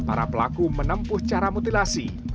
karena pelaku menempuh cara mutilasi